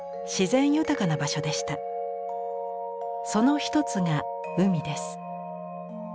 その一つが海です。